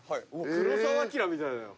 黒澤明みたいだよ。